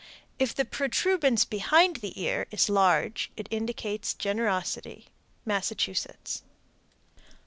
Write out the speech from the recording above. If the protuberance behind the ear is large, it indicates generosity. _Massachusetts.